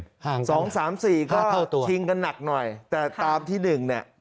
ห่างสองสามสี่ก็เข้าตัวชิงกันหนักหน่อยแต่ตามที่หนึ่งเนี่ย